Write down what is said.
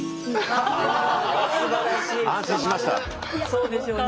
そうでしょうね。